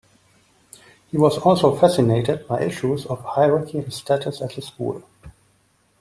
He was also fascinated by issues of hierarchy and status at the school.